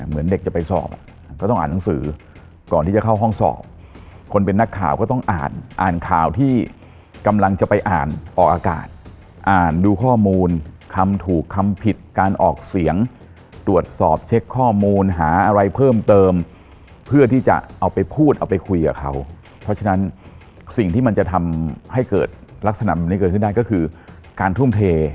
เหมือนเด็กจะไปสอบก็ต้องอ่านหนังสือก่อนที่จะเข้าห้องสอบคนเป็นนักข่าวก็ต้องอ่านอ่านข่าวที่กำลังจะไปอ่านออกอากาศอ่านดูข้อมูลคำถูกคำผิดการออกเสียงตรวจสอบเช็คข้อมูลหาอะไรเพิ่มเติมเพื่อที่จะเอาไปพูดเอาไปคุยกับเขาเพราะฉะนั้นสิ่งที่มันจะทำให้เกิดลักษณะแบบนี้เกิดขึ้นได้ก็คือการทุ่มเท